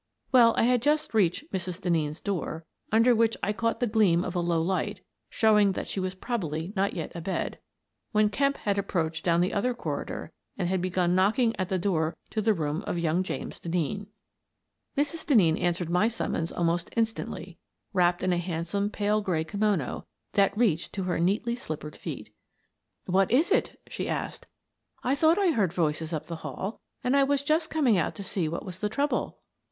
Well, I had just reached Mrs. Denneen's door, under which I caught the gleam of a low light, showing that she was probably not yet abed, when Kemp had approached down the other corridor and had begun knocking at the door to the room of young James Denneen. Mrs. Denneen answered my summons almost in stantly, wrapped in a handsome pale gray kimono that reached to her neatly slippered feet. " What is it? " she asked. " I thought I heard voices up the hall, and I was just coming out to see what was the trouble."